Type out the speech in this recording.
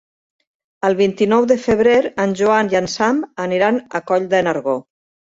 El vint-i-nou de febrer en Joan i en Sam aniran a Coll de Nargó.